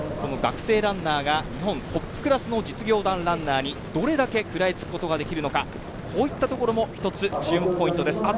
学生ランナーが日本トップクラスの実業団ランナーにどれだけ食らいつくことができるのかというところも一つ、注目ポイントです。